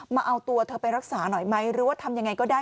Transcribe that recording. มาเอาตัวเธอไปรักษาหน่อยไหมหรือว่าทำยังไงก็ได้